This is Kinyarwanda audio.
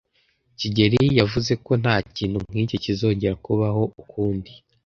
kigeli yavuze ko ntakintu nkicyo kizongera kubaho ukundi.